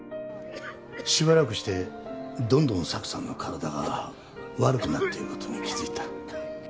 しばらくしてどんどんサクさんの体が悪くなっていることに気付いた。